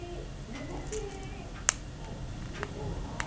煮干しですか？